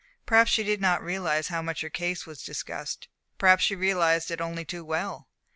Perhaps she did not realize how much her case was discussed, perhaps she realized it only too well.